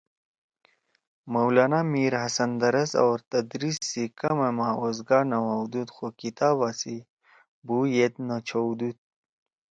مولانا میرحسن درس او تدریس سی کما ما اوزگا نہ ہؤدُود خو کتابا سی بُو ید نہ چھؤدُود